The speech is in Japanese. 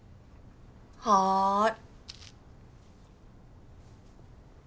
はい。